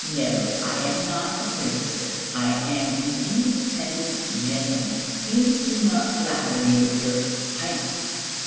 "No, I am not a prince, sir, I am an independent gentleman.... Please do not flatter me with your 'Highness.'